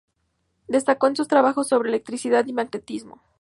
Destacó en sus trabajos sobre electricidad y magnetismo.